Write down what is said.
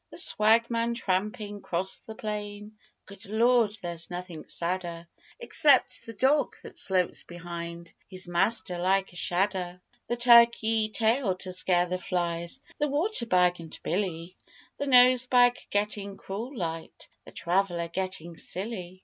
The swagman tramping 'cross the plain; Good Lord, there's nothing sadder, Except the dog that slopes behind His master like a shadder; The turkey tail to scare the flies, The water bag and billy; The nose bag getting cruel light, The traveller getting silly.